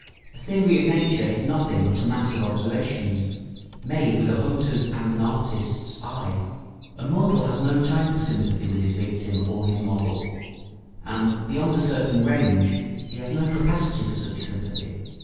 A theory of nature is nothing but a mass of observations, made with a hunter's and an artist's eye. A mortal has no time for sympathy with his victim or his model; and, beyond a certain range, he has no capacity for such sympathy.